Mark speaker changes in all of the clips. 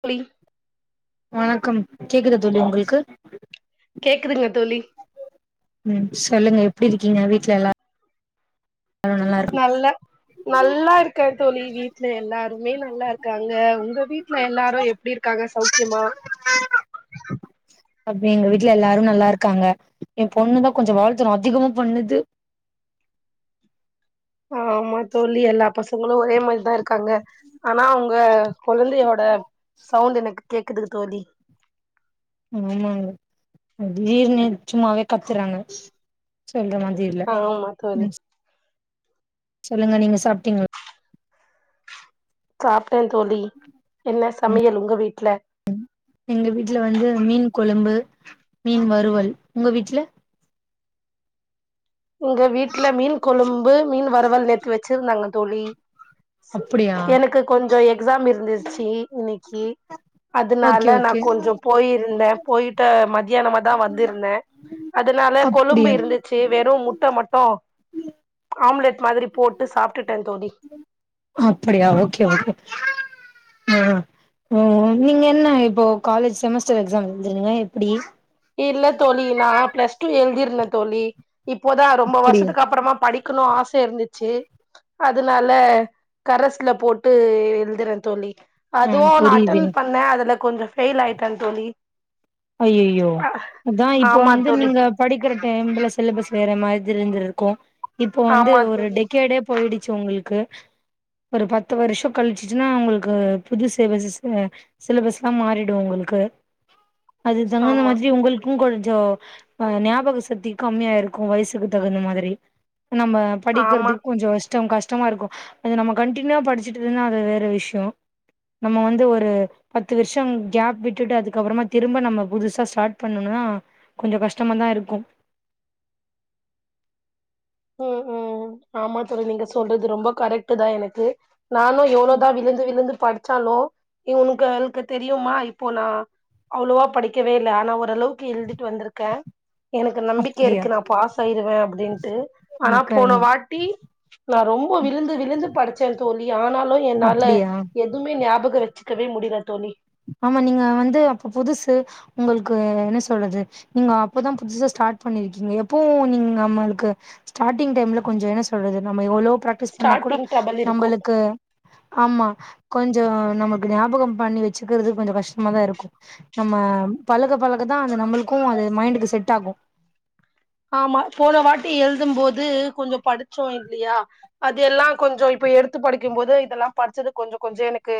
Speaker 1: ப்டி
Speaker 2: வணக்கம் கேக்குது தோழி உங்குளுக்கு
Speaker 1: கேக்குதுங்க தோழி
Speaker 2: ம் சொல்லுங்க எப்டிருக்கீங்க வீட்ல எல்லா
Speaker 1: நல்ல நல்லாருக்கே தோழி வீட்ல எல்லாருமே நல்லாருக்காங்க உங்க வீட்ல எல்லாரு எப்டிருக்காங்க சௌக்கியமா [inaudible]
Speaker 2: அப்டி எங்க வீட்ல எல்லாரு நல்லாருக்காங்க ஏம்பொண்ணுதா கொஞ்சோ வால்தனோ அதிகமா பண்ணுது [inaudible]
Speaker 1: ஆமா தோழி எல்லா பசங்களு ஒரே மாரிதா இருக்காங்க ஆனா அவுங்க கொழந்தையோட சவுண்ட் எனக் கேக்குது தோழி
Speaker 2: ஆமாங்க திடீர்னு சும்மாவே கத்துறாங்க சொல்ற மாதி இல்ல
Speaker 1: ஆமா தோழி
Speaker 2: ம் சொல்லுங்க நீங்க சாப்ட்டீங்
Speaker 1: சாப் டே தோழி என்ன சமையல் உங்க வீட்ல
Speaker 2: கொழும்பு மீன் வறுவல் உங்க வீட்ல
Speaker 1: எங்க வீட்ல மீன் கொழும்பு மீன் வறுவல் நேத்து வச்சிருந்தாங்க தோழி
Speaker 2: அப்டி
Speaker 1: எனக்கு கொஞ்சோ எக்ஸாம் இருந்துச்சி இன்னிக்கி
Speaker 2: ஓகே
Speaker 1: அதுனால நா
Speaker 2: ஓகே
Speaker 1: கொஞ்சோ போயிருந்தே போயிட்ட மத் தியானமா தா வந்திருந்தே அதனால கொழும்பு
Speaker 2: அப்டியா
Speaker 1: இருந்துச்சி வெறூ முட் ட மட்டூ ஆம்லெட் மாதிரி போட்டு சாப்ட்டுட்டே தோழி
Speaker 2: அப்பிடியா ஓகே ஓகே ஆ ம் நீங்க என்ன இப்போ காலேஜ் செமஸ்டர் எக்ஸாம் எழுதிருங்ளா எப்டி
Speaker 1: இல்ல தோழி நா ப்ளஸ் டூ எழுதிர்ந்த தோழி இப்போதா ரொம்ப
Speaker 2: அப்டியா
Speaker 1: வருஷத்துக்கப்றமா படிக்கணு ஆச இருந்துச் சி அதுனால கரஸ்ல போட்டு எழுதுறே தோழி
Speaker 2: ஆ
Speaker 1: அதுவு நா
Speaker 2: புரியுது
Speaker 1: அட்டென் பண்ணே அதுல கொஞ்சோ ஃபெயில் ஆயிட்டே தோழி
Speaker 2: அய்யயோ அதா இப்போ
Speaker 1: ஆமா
Speaker 2: வந்து
Speaker 1: தோழி
Speaker 2: நீங்க படிக்கிற டைம்ல சிலபஸ் வேற மாத் திரி இந்திருக்கூ இப்போ வந்து
Speaker 1: ஆமா
Speaker 2: ஒரு
Speaker 1: தோழி
Speaker 2: டெகேடே போயிடுச்சு உங்குளுக்கு ஒரு பத்து வருஷோ கழிச்சிச்சுனா உங்குள்கு புது சேபஸஸு அ சிலபஸ்லா மாறிடு உங்கள்க்கு அது தங்கன
Speaker 1: ஆமா
Speaker 2: மாதிரி உங்களுக்கூ கொஞ் சோ ஆ ஞாபக சக்தி கம்மியாய்ருக்கூ வயசுக்கு தகுந்த மாதிரி நம்ம
Speaker 1: ஆமா
Speaker 2: படிக்கிறதுக் கொஞ்சோ ஷ் டோ கஷ்டமாருக்கூ அது நம்ம கண்டினியூவா படிச்சுட்டருந்தா அது வேற விஷோ நம்ம வந்து ஒரு பத்து வருஷம் கேப் விட்டுட்டு அதுக்கப்புறமா திரும்ப நம்ம புதுசா ஸ்டார்ட் பண்ணணும்னா கொஞ்ச கஷ்டமா தா இருக்கு
Speaker 1: உஹம் உம் ஆமா தோழி நீங்க சொல்றது ரொம்ப கரெக்ட் தா எனக்கு நானு எவ்ளோதா விழுந்து விழுந்து படிச்சாலோ உங்களுக்கு தெரியுமா இப்போ நா அவ்ளோவா படிக்கவே இல்ல ஆனா ஓரளவுக்கு எழுதிட்டு வந்திருக்க எனக்கு நம்பிக்கை
Speaker 2: அப்டியா
Speaker 1: இருக்கு நா பாஸ் ஆயிருவே அப்டின்ட்டு ஆனா
Speaker 2: க
Speaker 1: போன வாட்டி நான் ரொம்ப விழுந்து விழுந்து படிச்சே தோழி ஆனாலு என்னால
Speaker 2: அப்டியா
Speaker 1: எதுவுமே ஞாபகம் வச்சு க்கவே முடில தோழி
Speaker 2: ஆமா நீங்க வந்து அப்ப புதுசு உங்களுக்கு என்ன சொல்றது நீங்க அப்பதா புதுசா ஸடெ ஸ்டார்ட் பண்ணிருக்கீங்க எப்போ நீங்க நம்ளுக்கு ஸ்டார்டிங் டைம்ல கொஞ்ச என்ன சொல்றது நம்ம எவ்ளோ ப்ராக்டிஸ் பண்ணா கூட
Speaker 1: ஸ்டார்டிங் ட்ரபுள் இருக்கு
Speaker 2: நம்மளுக்கு ஆமா கொஞ்சம் நமக்கு ஞாபகம் பண்ணி வச் சுக்கிறது கொஞ்ச கஷ்டமா தா இருக்கு நம்ம பழக பழக தா அது நம்மளுக்கும் அது மைண்டுக்கு செட் ஆகு
Speaker 1: ஆமா போன வாட்டி எழுதும் போது கொஞ்சம் படிச்சோம் இல்லியா அது எல்லா கொஞ்சொ இப்ப இப்ப எடுத்து படிக்கும் போது இதெல்லா படிச்சது கொஞ்சொ கொஞ்சொ எனக்கு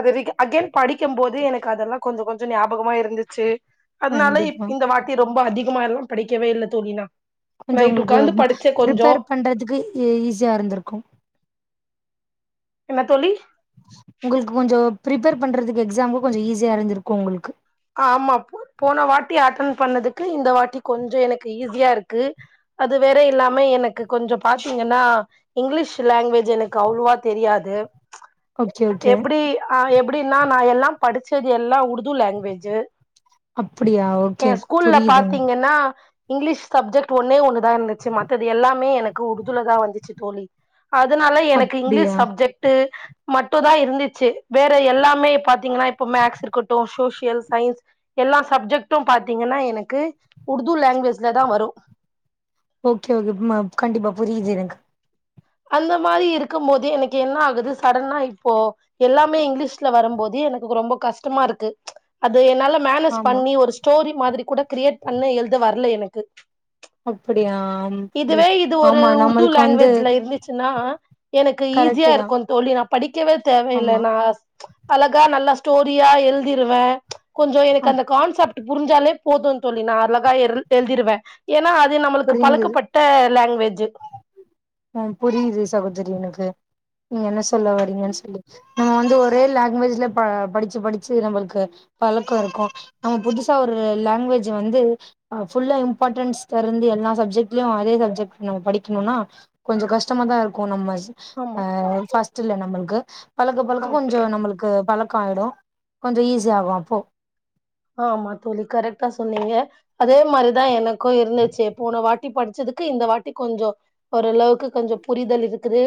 Speaker 1: அதுரிகன் அகேன் படிக்கம் போது எனக்கு அதெல்லா கொஞ்சொ கொஞ்ச ஞாபகமா இருந்துச்சு அதுனால
Speaker 2: கண்டிப்பா
Speaker 1: இப் இந்த வாட்டி ரொம்ப அதிகமா எல்லா படிக்கவே இல்ல தோழி நா
Speaker 2: கொஞ்ச
Speaker 1: நைட்
Speaker 2: உங்களுக்கு
Speaker 1: உக்காந்து படிச்சே கொஞ்சோ
Speaker 2: ப்ரிப்பேர் பண்றதுக்கு ஈஸியா இருந்திருக்கு
Speaker 1: என்ன தோழி
Speaker 2: உங்களுக்கு கொஞ்சொ ப்ரிப்பேர் பண்றதுக்கு எக்ஸாம்கு கொஞ்ச ஈஸியா இருந்திருக்கு உங்களுக்கு
Speaker 1: ஆமா போன வாட்டி அட்டன் பண்ணதுக்கு இந்த வாட்டி கொஞ்சொ எனக்கு ஈஸியா இருக்கு அது வேற இல்லாம எனக்கு கொஞ்சொ பாத்தீங்கன்னா இங்கிலீஷ் லாங்குவேஜ் எனக்கு அவ்ளோவா தெரியாது
Speaker 2: ஓகே, ஓகே.
Speaker 1: எப்டி ஆஹ் எப்டின்னா நா எல்லா படிச்சது எல்லா உர்து லாங்குவேஜ்
Speaker 2: அப்படியா?
Speaker 1: [unintelligible] ஏ
Speaker 2: ஓகே.
Speaker 1: ஸ்கூல்ல
Speaker 2: புரியுதுங்க.
Speaker 1: பாத்தீங்கன்னா இங்கிலீஷ் சப்ஜெக்ட் ஒன்னே ஒண்ணுதா இருந்துச்சு மத்தது எல்லாமே எனக்கு உர்துலதா வந்துச்சு தோழி அதுனால எனக்கு
Speaker 2: அப்படியா?
Speaker 1: இங்கிலீஷ் சப்ஜெக்ட்டு மட்டும் தா இருந்துச்சு வேற எல்லாமே பாத்தீங்கன்னா இப்ப மேக்ஸ் இருக்கட்டு சோஷியல் சயின்ஸ் எல்லா சப்ஜெக்ட்டும் பாத்தீங்கன்னா எனக்கு உர்தூ லாங்குவேஜ்ல தா வரு
Speaker 2: ஓகே ஓகே மா கண்டிப்பா புரியுது எனக்கு
Speaker 1: அந்த மாரி இருக்கும் போது எனக்கு என்ன ஆகுது சடன்னா இப்போ எல்லாமே இங்கிலீஷ்ல வரும்போது எனக்கு ரொம்ப கஷ்டமா இருக்கு அது என்னால மேனேஜ்
Speaker 2: ஆமா.
Speaker 1: பண்ணி ஒரு ஸ்டோரி மாதிரி கூட கிரியேட் பண்ணி எழுத வர்ல எனக்கு
Speaker 2: அப்படியா? ம்.
Speaker 1: இதுவே இது ஒரு
Speaker 2: ஆமா,
Speaker 1: உர்தூ
Speaker 2: நம்மளுக்கு வந்து
Speaker 1: லாங்குவேஜ்ல இருந்துச் சுன்னா எனக்கு ஈஸியா
Speaker 2: கரெக்ட்டு தான்.
Speaker 1: இருக்கு தோழி நா படிக்கவே தேவயில்ல
Speaker 2: ஆமா.
Speaker 1: நா அழகா நல்லா ஸ்டோரியா எழுதிருவேன் கொஞ்சொ எனக்கு
Speaker 2: ம்.
Speaker 1: அந்த கான்செப்ட் புருஞ்சாலே போதும் தோழி நா அழகா எழ்து எழுதிடுவே ஏன்னா அது து நம்மளுக்கு
Speaker 2: புரிந்தது.
Speaker 1: பழக்கப்பட்ட லாங்குவேஜு
Speaker 2: அ புரியுது சகோதரி எனக்கு நீங்க என்ன சொல்ல வரீங்கன்னு சொல்லி நம்ம வந்து ஒரே லாங்குவேஜ்ல ப படுச்சு படுச்சு நம்மளுக்கு பழக்கோ இருக்கு நம்ம புதுசா ஒரு லாங்குவேஜ் வந்தது ஃபுல்லா இம்பார்ட்டன்ஸ் இருந்து எல்லா சப்ஜெக்ட்லயு அதே சப்ஜெக்ட் நம்ம படிக்கணும்னா கொஞ்சொ கஷ்டமா தா இருக்கு நம்ம ஹ
Speaker 1: ஆமா
Speaker 2: ஃபஸ்ட் ல நம்மளுக்கு பழக பழக
Speaker 1: ஆமா
Speaker 2: கொஞ்ச நம்மளுக்கு பழக் ஆயிடு கொஞ்ச ஈஸி ஆகு அப்போ
Speaker 1: ஆமா தோழி கரெக்டா சொன்னீங்க அதே மாரிதா எனக்கு இருந்துச்சு போன வாட்டி படுச்சது க்கு இந்த வாட்டி கொஞ்சொ ஓரளவுக்கு கொஞ்ச புரிதல் இருக்குது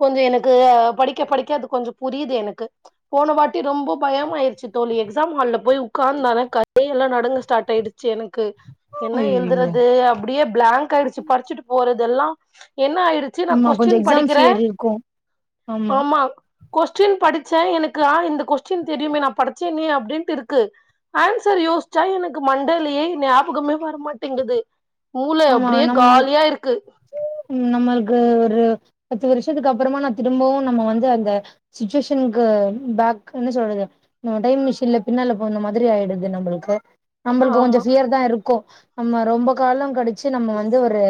Speaker 1: கொஞ்ச எனக்கு ஆ படிக்க படிக்க அது கொஞ்சம் புரியுது எனக்கு போன வாட்டி ரொம்ப பயம் ஆயிடுச்சு தோழி எக்ஸாம் ஹால்ல போய் உக்காந்தான கையெல்லா நடுங்க ஸ்டார்ட் ஆய்டுச்சு எனக்கு க்கு என்ன
Speaker 2: ஐயையோ
Speaker 1: எழுதுறது அப்டியே பிளாங்க் ஆயிடுச்சு படிச்சுட்டு போறதெல்லா என்ன ஆயிடுச்சு நா
Speaker 2: ஆமா கொஞ்சோ
Speaker 1: கொஸ்டின்
Speaker 2: எக்ஸாம்
Speaker 1: படிக்கிறே
Speaker 2: ஃபியர் இருக்கு
Speaker 1: ஆமா கொஸ்டின் படிச்சே எனக்கு ஆ இந்த கொஸ்டின் தெரியுமே நா படிச்சேனே அப்டின்ட்டு இருக்கு ஆன்சர் யோசிச்சா எனக்கு மண்டேலயே ஞாபகமே வரமாட்டேங்குது மூள
Speaker 2: ஆமா
Speaker 1: அப்டியே
Speaker 2: நம்
Speaker 1: காலியா இருக்கு
Speaker 2: க ஒரு பத்து வருஷத்துக்கு அப்புறமா நா திரும்பவு நம்ம வந்து அந்தச் சுச்சுவேஷனுக்கு டக்குனு என்ன சொல்றது நம்ம டைம் மிஷின்ல பின்னால போன மாதிரி ஆயிடுது நம்புளுக்கு நம்புளுக்கு கொஞ்சோ
Speaker 1: ஆமா
Speaker 2: ஃபியர்தா இருக்கோ நம்ம ரொம்ப காலோ கழிச்சு நம்ம வந்து ஒரு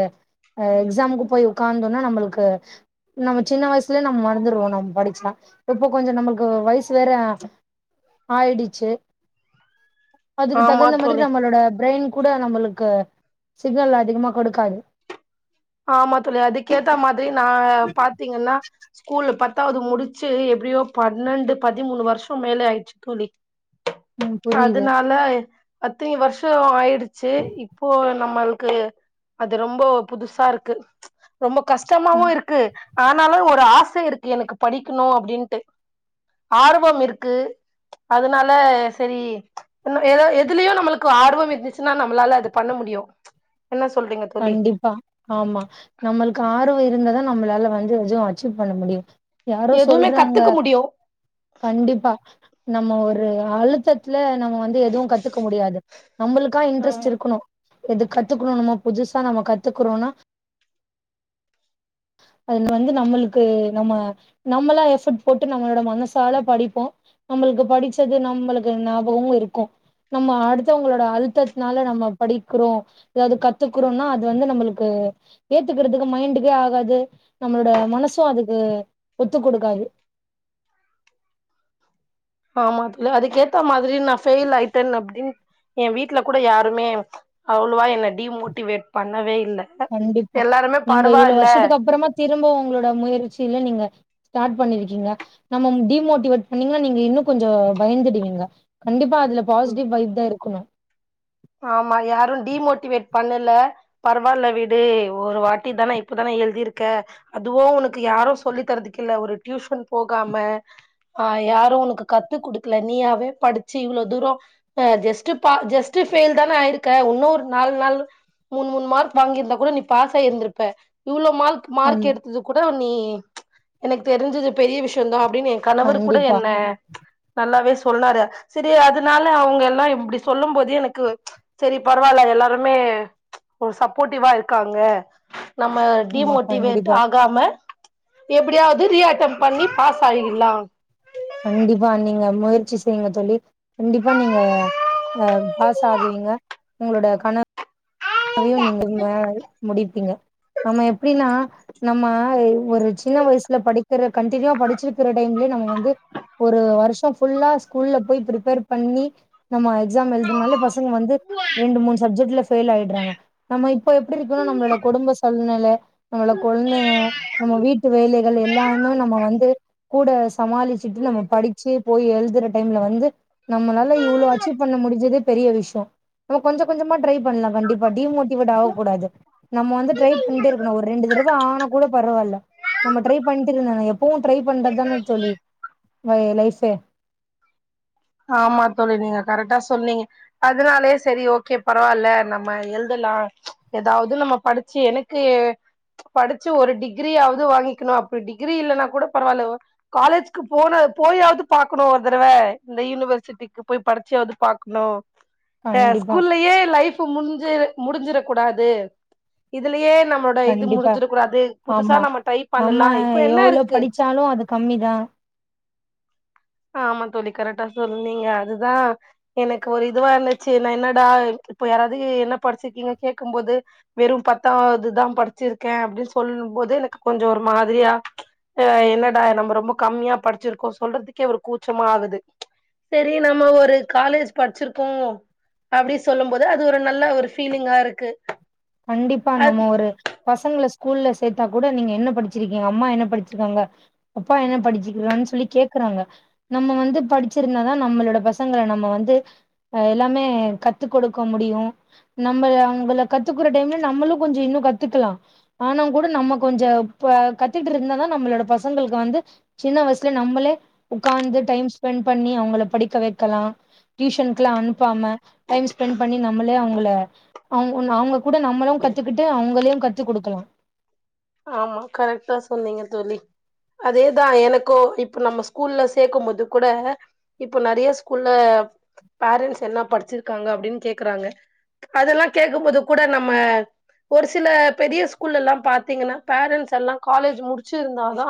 Speaker 2: அ எக்ஸாமுக்கு போய் உக்கந்தோனா நம்புளுக்கு நம்ம சின்ன வய்சுலயே நம்ம மறந்துறுவோ நம் படிச்சா இப்போ கொஞ்சோ நம்முளுக்கு வய்சு வேற ஆயிடுச்சு அதுக்கு
Speaker 1: ஆமா
Speaker 2: தகுந்த மாதிரி
Speaker 1: தோழி
Speaker 2: நம்பளோட ப்ரெயின் கூட நம்புளுக்கு சிக்னல் அதிகமா கொடுக்காது
Speaker 1: ஆமா தோழி அதுக்கேத்த மாதிரி நா பாத்தீங்னா ஸ்கூல்ல பத் பத்தாவது முடிச்சு எப்டியோ பன்னெண்டு பதிமூணு வருஷ்ஷோ மேலே ஆயிடுச்சு தோழி
Speaker 2: ம் புரியுது
Speaker 1: அதனால அத்தின வருஷ்ஷோ ஆயிடுச்சு இப்போ நம்மள்க் கு அது ரொம்போ புதுசா இருக்கு ரொம்ப
Speaker 2: க
Speaker 1: கஷ்டமாவு இருக்கு ஆனாலு ஒரு ஆச இருக்கு எனக்கு படிக்கணோ அப்டின்ட்டு ஆர்வம் இருக்கு அதனால செரி இன்னோ எதாவ எதுலயே நம்புளுக்கு ஆர்வோ இருந்துச்சுன்னா நம்பளால அது பண்ண முடி முடியோ என்ன சொல்றீங்க தோழி
Speaker 2: கண்டிப்பா ஆமா நம்முளுக்கு ஆர்வோ இருந்ததா நம்மளால வந்து எதையு அச்சீவ் பண்ண முடியோ யாரோ
Speaker 1: எதுவுமே
Speaker 2: சொல்றாங்க
Speaker 1: கத்துக்க முடியு
Speaker 2: கண்டிப்பா நம்ம ஒரு அழுத்தத்து இதுல நம்ம வந்து எதுவு கத்துக்க முடியாது நம்புளுக்கா இன்ட்ரெஸ்ட்
Speaker 1: ஆமா
Speaker 2: இருக்கணோ எது கத்துக்கணோமோ புதுசா நம்ம கத்துக்குறோனா அது வந்து நம்புளுக்கு நம்ம நம்மளா எஃபர்ட் போட்டு நம்மளோட மனசால படிப்போ நம்புளுக்கு படிச்சது நம்புளுக்கு ஞாபகமோ இருக்கோ நம்ம அடுத்தவுங்களோட அழுத்தத்தனால நம்ம படிக்கிறோ அதாவது கத் துக்கறோனா அது வந்து நம்புளுக்கு ஏத்துக்கறதுக்கு மைண்டுக்கே ஆகாது நம்பளோட மனசோ அதுக்கு அது ஒத்துக் கொடுக்காது
Speaker 1: ஆமா தோழி அதுக்கேத்த மாதிரி நா ஃபெயில் ஆயிட்டே அப்டின் ஏ வீட்ல கூட யாருமே அவ்ளோவா என்ன டிமோட்டிவேட் பண்ணவே இல்
Speaker 2: கண்டிப்பா நீங்க இவ்ளோ வருஷத்துக்கு அப்புறமா திரும்பவு உங்களோட முயற்சியில நீங்க ஸ்டார்ட் பண்ணிரிக்கீங்க நம்ம டிமோட்டிவேட் பண்ணீங்கா நீங்க இன்னும் கொஞ்சோ பயந்துடுவீங்க கண்டிப்பா அதுல பாசிட்டிவ் வைப் தா இருக்கணோ
Speaker 1: ஆமா யாரும் டிமோட்டிவேட் பண்ணல பரவால்ல வீடு ஒரு வாட்டி தானே இப்பதானே நீ எழுதிருக்க அதுவோ உனக்கு யாரு சொல்லி தர்துக்குல ஒரு டியூஷன் போகாம ஆ யாரு உனக்கு கத்து குடுக்கல நீயாவே படிச்சு இவ்ளோ தூரோ அ ஜஸ்ட்டு பா ஜஸ்ட் டுஃபெயில் தானே ஆயிருக்க உன்னோ ஒரு நாலு நாள் மூணு மூணு மார்க் வாங்கியிருந்தா கூட நீ பாஸ் ஆயிருந்திருப்ப இவ்ளோ மார்க் மார்க்
Speaker 2: ஆமா
Speaker 1: எடுத்தது கூட நீ எனக்கு தெரிஞ்சது பெரிய விஷ்யோ தா அப்டினு என் கணவர் கூட
Speaker 2: கண்டிப்பா
Speaker 1: என்ன நல்லாவே சொ ன்னாரு சரி அதனால அவுங்க எல்லா இப்டி சொல்லும் போதே எனக் கு செரி பரவால்ல எல்லாருமே ஒர் சப்போர்ட்டிவா இருக்காங்க நம்ம
Speaker 2: ஆமா
Speaker 1: டிமோட்டிவேட்
Speaker 2: கண்டிப்பா
Speaker 1: ஆகாம எப்பிடியாவது ரீ அட்டம் பண்ணி பாஸ் ஆகிட்லா
Speaker 2: கண்டிப்பா நீங்க முயற்சி செய்யுங்க தோழி கண்டிப்பா நீங்க அ பாஸ் ஆகுவீங்க உங்களோட கன வையு நீங்க மே முடிப்பீங்க நம்ம எப்டீன்னா நம்ம ஒரு சின்ன வயசுல படிக்கிற கண்டினியூவா படிச்சிருக்கிற டைம்லயு இதுவே நம்ம வந்து ஒரு வருஷ்ஷோ ஃபுல்லா ஸ்கூல்ல போய் பிரெப்பேர் பண்ணி நம்ம எக்ஸாம் எழுதுனால பசங்க வந்து ரெண்டு மூணு சப்ஜெக்ட்ல ஃபெயில் ஆயிடு றாங்க நம்ம இப்ப எப்டி இருக்குனா நம்பளோட குடும்ப சுழ்நெல நம்மோளட கொழந்தைங்க நம்ம வீட்டு வேலைகள் எல்லாமே நம்ம வந்து கூட சமாளிச்சிட்டு நம்ம படிச்சு போய் எழுதுற டைம்ல வந்து நம்மளால இவ்ளோ அச்சீவ் பண்ண முடுஞ்சதே பெரிய விஷயோ நம்ம கொஞ்ச கொஞ்சமா ட்ரை பண்ணலா கண்டிப்பா டீமோட் மோட்டிவேட் ஆக கூடாது நம்ம வந்து ட்ரை பண்ட்டே இருக்கணு ஒரு ரெண்டு தடவ ஆன கூட பரவால்ல நம்ம ட்ரை பண்ட்டு இருந்தா எப்பவு ட்ரை பண்றதுதான தோழி லை லைஃப் ஃபே
Speaker 1: ஆமா தோழி நீங்க கரெக்டா சொன்னீங்க அதுனாலே செரி ஓகே பரவால்ல நம்ம எழுத லா எதாவது நம்ம படிச்சு எனக்கு படிச்சு ஒரு டிகிரியாவது வாங்கிக்கணு அப்டி டிகிரி இல்லன்னா கூட பரவால்ல ஓ காலேஜுக்கு போனா அத போய்யாவது பாக்கணு ஒரு தடவ இந்த யூனிவர்சிட்டிக்கு போய் படிச்சாவது பாக்கணு அ
Speaker 2: கண்டிப்பா
Speaker 1: ஸ்கூல்லயே லைஃப் முடுஞ் டிஞ் முடிஞ்சுற கூடாது இதுலயே நம்மளோட இது
Speaker 2: கண்டிப்பா
Speaker 1: முடிஞ்சிடக் கூடாது புதுசா
Speaker 2: ஆமா
Speaker 1: நம்ம ட்ரை
Speaker 2: நம்ம
Speaker 1: பண்ணலா இப்ப என்ன
Speaker 2: எவ்ளோ
Speaker 1: இருக்கு
Speaker 2: படிச்சாலு அது கம்மிதா
Speaker 1: ஆமா தோழி கரெக்டா சொன்னீங்க அதுதா எனக்கு ஒரு இதுவா இருந்துச்சு நா என்னடா இப்போ யாராவது என்ன படிச்சுருக்கீங்க கேக்கும் போது வெறும் பத்தாவதுதா படிச்சுருக்கேன் அப்டின்னு சொல்லு போதே எனக்கு கொஞ்சோ ஒரு மாதிரியா என்னடா நம்ம ரொம்ப கம்மியா படிச்சுருக்கோ சொல்றதுக்கு க்கே ஒரு கூச்சமா ஆகுது செரி நம்ம ஒரு காலேஜ் பட்ச்சுருப்போ அப்டி சொல்லும் போது அது ஒரு நல்ல ஒரு ஃபீலிங்கா இருக்கு
Speaker 2: கண்டிப்பா
Speaker 1: அத்
Speaker 2: நம்ம ஒரு பசங்கள ஸ்கூ ஸ்கூல்ல சேத்தா கூட நீங்க என்ன படிச்சிருக்கீங்க அம்மா என்ன படிச்சுருக்காங்க அப்பா என்ன படிச்சிருக்கானு சொல்லி கேக்க தாங்க நம்ம வந்து படிச்சுருந்தா தா நம்மளோட பசங்கள நம்ம வந்து எல்லாமே கத்து குடுக்க முடியும் நம்மல அவுங்கல கத் கத்துக்குற டைம்ல நம்மளு கொஞ்ச இன்னு கத்துக்கலா ஆனா கூட நம்ம கொஞ்ச பா கத்துட்ருந்ததா நம் நம்ளோட பசங்களுக்கு வந்து சின்ன வயசுலயே நம்பளே ஒக்காந்து டைம் ஸ்பெண்ட் பண்ணி அவுங்கள படிக்க வெக்க லா டியூஷன்க்குல அனுப்பாம டைம் ஸ்பென்ட் பண்ணி நம்மளே அவுங்கள அவுங் அவுங்க கூட நம்மளு கத்துக்கிட்டு அவுங்களையு கத்து குடுக்கலா
Speaker 1: ஆமா கரெக்ட்டா சொன்னீங்க தோழி அதேதா எனக்கு இப்ப நம்ம ஸ்கூல்ல சேக்கும் போது கூட இப்ப நெறயா ஸ்கூல்ல ஃபேரண்ட்ஸ் என்ன படிச்சுருக்காங்க அப்டின்னு கேக்குறாங்க அதல்லா கேக்கும்போது கூட நம்ம ஒரு சில பெரிய ஸ்கூல்ல எல்லா பாத்தீங்கன்னா ஃபேரன்ட்ஸெல்லா காலேஜ் முடிச்சுருந்தா தா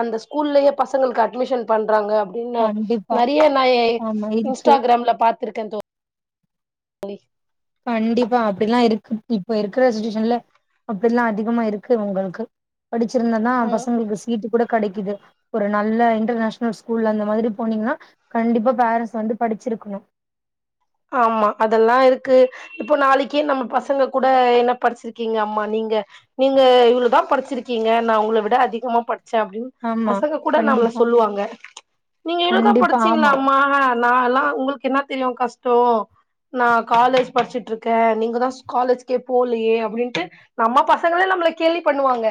Speaker 1: அந்த ஸ்கூல்லயே பசங்களுக்கு அட்மிஷன் பண்றாங்க ன்ன
Speaker 2: கண்டிப்பா
Speaker 1: நெறையா நா ஏ
Speaker 2: ஆமா இருக்கு
Speaker 1: இன்ஸ்டாகிராம்ல பாத்துருக்கே தோழி தோழி
Speaker 2: கண்டிப்பா அப்டிலா இருக் இப்ப இருக்குற சிட்வேஷன்ல அப்டில்லா அதிகமா இருக்கு உங்களுக்கு படிச்சிருந்தா தா
Speaker 1: தோ
Speaker 2: பசங்களுக்கு சீட்டு கூட கெடைக்குது ஒரு நல்ல இன்டர்நேஷனல் ஸ்கூல் அந்த மாதிரி போனீங்கன்னா கண்டிப்பா ஃபேரண்ட்ஸ் வந்து படிச் இருக்கணு
Speaker 1: ஆமா அதெல்லா இருக்கு இப்போ நாளைக்கே நம்ம பசங்க கூட என்ன படிச்சிருக்கீங்க அம்மா நீங்க ங்க நீங்க இவ்ளோதா படிச்சுருக்கீங்க நா உங்கள விட அதிகமா படிச் சே அப்டின்னு
Speaker 2: ஆமா
Speaker 1: பசங்க கூட நம்மள
Speaker 2: கண்டிப்பா
Speaker 1: சொல்லுவாங்க நீங்க இவ்ளோதா
Speaker 2: கண்டிப்பா
Speaker 1: படிச்சீங்களா
Speaker 2: ஆமா
Speaker 1: அம்மா நால்லா உங்களுக்கு என்ன தெரியு கஷ்டோ நா காலேஜ் படிச்சுட்ருக்கே நீங்க தா காலேஜ்கே போலையே அப்டின்ட்டு நம்ம பசங்களே நம் நம்மள கேளி பண்ணுவாங்க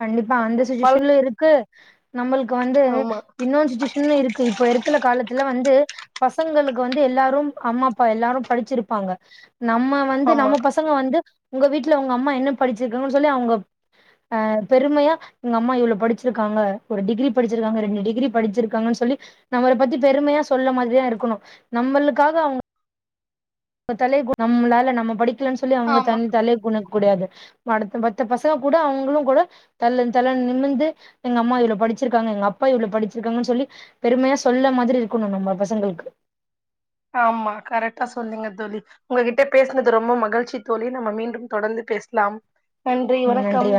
Speaker 2: கண்டிப்பா அந்த சுட்டிவேஷன்ல இருக்கு நம்மளுக்கு வந்து
Speaker 1: ஆமா
Speaker 2: இன்னொன்னு சுட்டிவேஷனு இருக்கு இப்ப இருக்குல காலத்துல வந்து பசங்களுக்கு வந்து எல்லாரும் அம்மா அப்பா எல்லாரும் படிச்சுருப்பாங்க நம்ம வந்து
Speaker 1: ஆமா
Speaker 2: நம்ம பசங்க வந்து உங்க வீட்ல உங்க அம்மா என்ன படிச்சுருக்காங்கன்னு சொல்லி அவுங்க அ பெருமையா எங்க அம்மா இவ்ளோ படிச்சுருக்காங்க ஒரு டிகிரி படிச்சுருக்காங்க ரெண்டு டிகிரி படிச்சுருக்காங்கன்னு சொல்லி நம்மள பத்தி பெருமையா சொல்ல மாறிதா இருக்கணு நம்மளுக்காக அவுங்க தலை [inaudible] நம்மளால நம்ம படிக்கலன்னு சொல்லி அவுங்க த
Speaker 1: ஆமா
Speaker 2: தலை குனு கூடாது அடுத் மத்த பசங்க கூட அவுங்களு கூட தல தன் நிமிந்து எங்க அம்மா இவ்ளோ படி படுச்சிருக்காங்க எங்க அப்பா இவ்ளோ படுச்சிருக்காங்கன்னு சொல்லி பெருமையா சொல்ல மாதிரி இருக்கணு நம்ப பசங்களுக்கு
Speaker 1: ஆமா கரக்டா சொன்னிங்கத் தோழி உங்ககிட்ட பேசினது ரொம்ப மகிழ்ச்சி தோழி நம்ம மீண்டும் தொடர்ந்து பேசலாம் நன்றி வணக்கம்